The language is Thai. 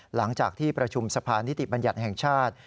หลังจากที่ประชุมสะพานนิติบัญญัติแห่งชาติ